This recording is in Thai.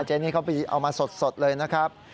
เจนิทเขาเอามาสดเลยนะครับ